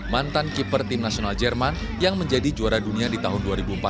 mantan keeper tim nasional jerman yang menjadi juara dunia di tahun dua ribu empat belas